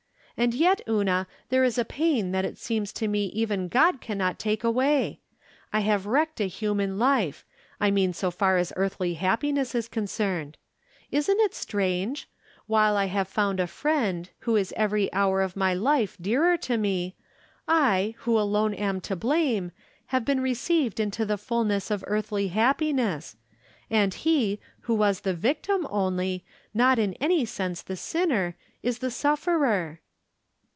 And yet, Una, there is a pain that it seems to me even God can not take away. I have wrecked a human life — I mean so far as earthly happiness is concerned. Isn't it strange ? While I have found a friend, who is every hour of my life dearer to me, I, who alone am to blame, have been received into the fulness of earthly happi ness ; and he, who was the victim only, not in any sense the sinner, is the sufferer